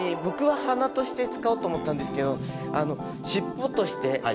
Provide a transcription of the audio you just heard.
僕は鼻として使おうと思ったんですけど尻尾として。